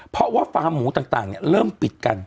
เพราะว่าฟ้าหมูต่างเนี่ยเริ่มปิดกัน